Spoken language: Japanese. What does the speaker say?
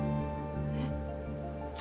えっ？